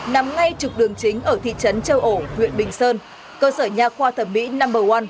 nằm ngay trục đường chính ở thị trấn châu ổ huyện bình sơn cơ sở nhà khoa thẩm mỹ nanber oan